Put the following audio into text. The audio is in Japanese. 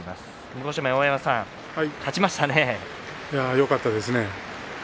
よかったですね。